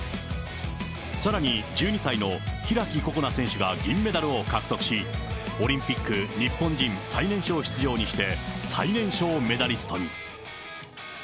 さらに１２歳の開心那選手が銀メダルを獲得し、オリンピック日本人最年少出場にして、最年少メダリストに。